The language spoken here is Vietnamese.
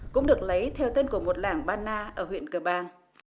cũng được lấy theo tên của một làng bana ở huyện cờ bang